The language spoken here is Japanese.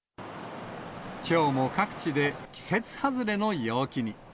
きょうも各地で季節外れの陽気に。